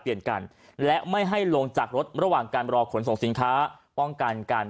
กันและไม่ให้ลงจากรถระหว่างการรอขนส่งสินค้าป้องกันกัน